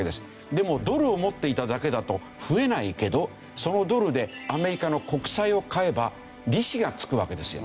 でもドルを持っていただけだと増えないけどそのドルでアメリカの国債を買えば利子が付くわけですよ。